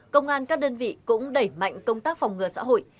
công an các đơn vị cũng đẩy mạnh công tác phòng ngừa xã hội